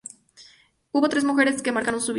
Hubo tres mujeres que marcaron su vida.